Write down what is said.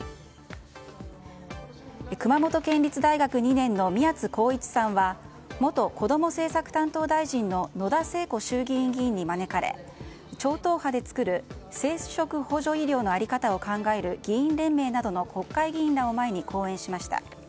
熊本県立大学２年の宮津航一さんは元子ども政策担当大臣の野田聖子衆議院議員に招かれ超党派で作る生殖補助医療の在り方を考える議員連盟などの国会議員らを前に講演しました。